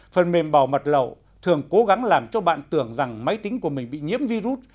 phần mềm bảo mật lậu thường cố gắng làm cho bạn tưởng rằng máy tính của mình bị nhiễm virus